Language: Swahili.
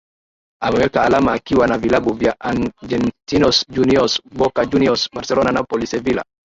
Ameweka alama akiwa na vilabu vya Argentinos Juniours Boca Juniours Barcelona Napoli Sevilla